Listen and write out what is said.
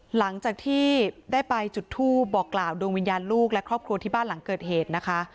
หลังจากที่ได้ไปจุดทูปบอกกล่าวดวงวิญญาณลูกและครอบครัวที่บ้านหลังเกิดเหตุนะคะ